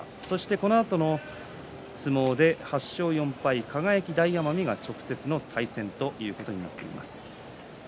このあとの相撲で８勝４敗、輝、大奄美が直接の対戦ということになります。